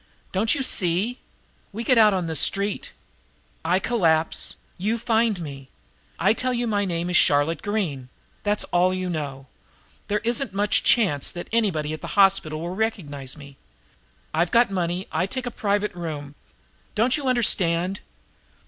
"Don't you see? We get out on the street. I collapse there. You find me. I tell you my name is Charlotte Green. That's all you know. There isn't much chance that anybody at the hospital would recognize me. I've got money. I take a private room. Don't you understand?"